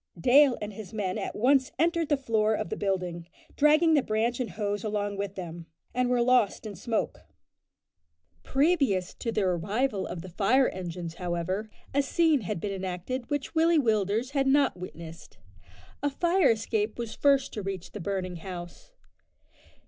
Dale and his men at once entered the front door of the building, dragging the branch and hose along with them, and were lost in smoke. Previous to the arrival of the fire engines, however, a scene had been enacted which Willie Willders had not witnessed. A fire escape was first to reach the burning house.